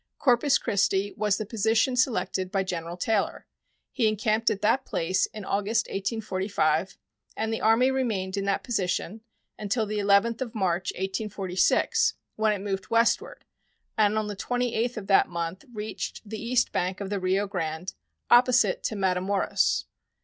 Corpus Christi was the position selected by General Taylor. He encamped at that place in August, 1845, and the Army remained in that position until the 11th of March, 1846, when it moved westward, and on the 28th of that month reached the east bank of the Rio Grande opposite to Matamoras.